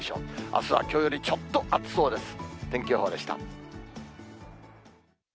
あすはきょうよりちょっと暑そうです。